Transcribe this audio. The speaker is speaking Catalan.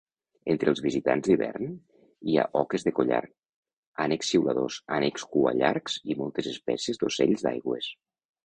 Entre els visitants d'hivern hi ha oques de collar, ànecs xiuladors, ànecs cuallargs i moltes espècies d'ocells d'aigües.